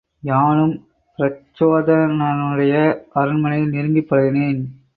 யானும் பிரச்சோதனனுடைய அரண்மனையில் நெருங்கிப் பழகினேன்.